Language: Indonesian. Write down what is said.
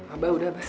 abah udah pak